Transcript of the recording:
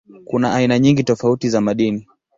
Kuna aina nyingi tofauti za madini.